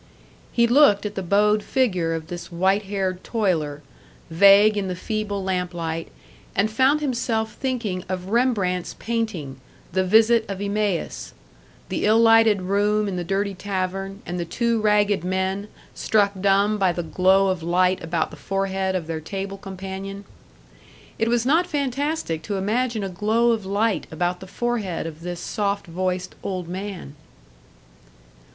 He looked at the bowed figure of this white haired toiler, vague in the feeble lamplight, and found himself thinking of Rembrandt's painting, the Visit of Emmaus: the ill lighted room in the dirty tavern, and the two ragged men, struck dumb by the glow of light about the forehead of their table companion. It was not fantastic to imagine a glow of light about the forehead of this soft voiced old man!